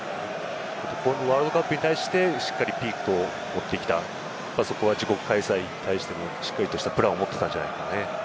ワールドカップに対して、しっかりピークを持ってきた、そこは自国開催に対して、しっかりしたプランを持っていたんじゃないですかね。